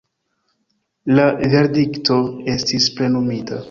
La verdikto estis plenumita.